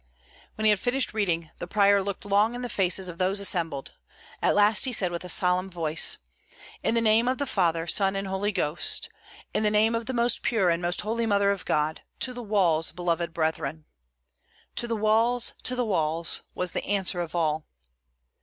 When he had finished reading, the prior looked long in the faces of those assembled; at last he said with a solemn voice, "In the name of the Father, Son, and Holy Ghost! in the name of the Most Pure and Most Holy Mother of God! to the walls, beloved brethren!" "To the walls, to the walls!" was the answer of all.